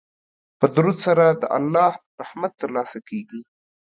په درود سره د الله رحمت ترلاسه کیږي.